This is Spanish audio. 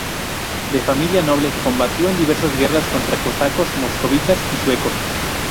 De familia noble, combatió en diversas guerras contra cosacos, moscovitas y suecos.